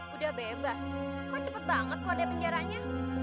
udah bebas kok cepet banget keluar dari penjaranya